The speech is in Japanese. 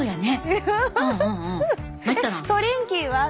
えっトリンキーは？